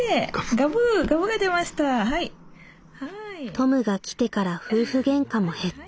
「トムが来てから夫婦げんかも減った」。